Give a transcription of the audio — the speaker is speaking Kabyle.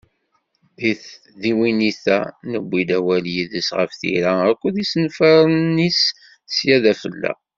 Deg tdiwennit-a, newwi-d awal yid-s ɣef tira-s akked yisenfaren-is sya d afella.